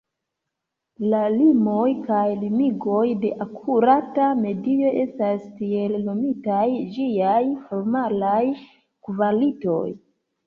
La limoj kaj limigoj de akurata medio estas tiel nomitaj ĝiaj formalaj kvalitoj.